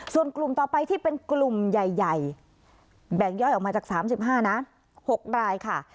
ส่วนกลุ่มต่อไปที่เป็นกลุ่มใหญ่แบ่งย่อยออกมาจาก๓๕นะ๖รายค่ะ